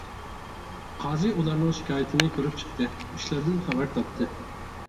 قازى ئۇلارنىڭ شىكايىتىنى كۆرۈپ چىقتى، ئىشلىرىدىن خەۋەر تاپتى.